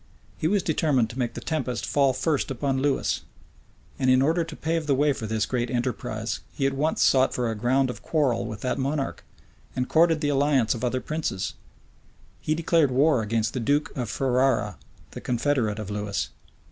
[*] He was determined to make the tempest fall first upon Lewis; and in order to pave the way for this great enterprise, he at once sought for a ground of quarrel with that monarch, and courted the alliance of other princes. He declared war against the duke of Ferrara, the confederate of Lewis.